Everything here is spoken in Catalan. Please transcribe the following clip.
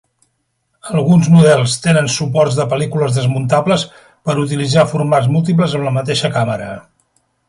Alguns models tenen suports de pel·lícules desmuntables per utilitzar formats múltiples amb la mateixa càmera.